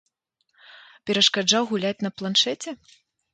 Перашкаджаў гуляць на планшэце?